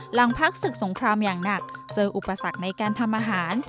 หลังพักศึกสงครามอย่างหนักเจออุปสรรคในการทำอาหาร